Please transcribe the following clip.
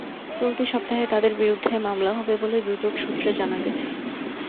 চলতি সপ্তাহে তাঁদের বিরুদ্ধে মামলা হবে বলে দুদক সূত্রে জানা গেছে।